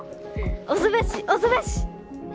押すべし押すべし！